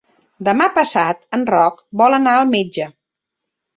Demà passat en Roc vol anar al metge.